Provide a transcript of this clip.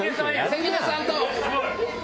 関根さんと。